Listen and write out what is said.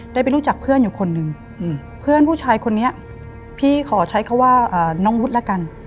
ได้ไปรู้จักเพื่อนอยู่คนหนึ่งเพื่อนผู้ชายคนนี้พี่ขอใช้คำว่าน้องวุฒิละกัน